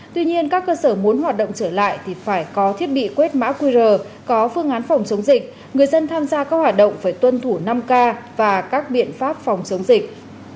tuy nhiên các cơ sở muốn hoạt động trở lại thì phải có thiết bị quét mã qr có phương án phòng chống dịch người dân tham gia các hoạt động phải tuân thủ năm k và các biện pháp phòng chống dịch